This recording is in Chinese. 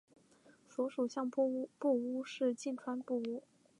所属相扑部屋是境川部屋。